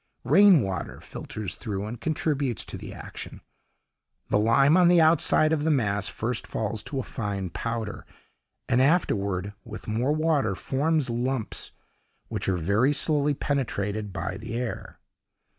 Rain water filters through and contributes to the action: the lime on the outside of the mass first falls to a fine powder, and afterward, with more water, forms lumps which are very slowly penetrated by the air.